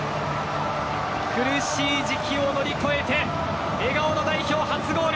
苦しい時期を乗り越えて笑顔の代表初ゴール。